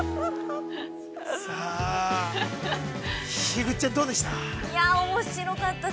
◆樋口ちゃん、どうでした？